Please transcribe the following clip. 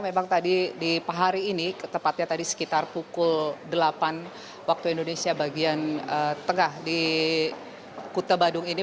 memang tadi di hari ini tepatnya tadi sekitar pukul delapan waktu indonesia bagian tengah di kuta badung ini